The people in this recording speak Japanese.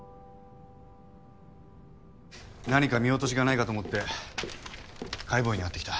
何か見落としがないかと思って解剖医に会ってきた。